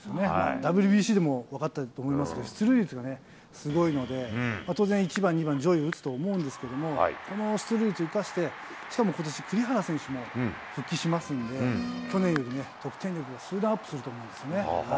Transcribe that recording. ＷＢＣでも分かったと思いますけども、出塁率がすごいので、当然、１番、２番、上位打つと思うんですけども、この出塁率を生かして、しかもことし、栗原選手も復帰しますんで、去年よりね、得点力が数段アップすると思うんですよね。